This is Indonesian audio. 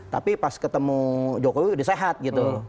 tapi pas ketemu jokowi udah sehat gitu